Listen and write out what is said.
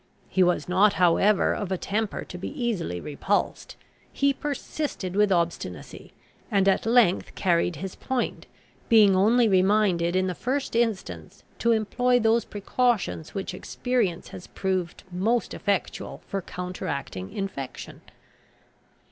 He was not, however, of a temper to be easily repulsed; he persisted with obstinacy, and at length carried his point, being only reminded in the first instance to employ those precautions which experience has proved most effectual for counteracting infection.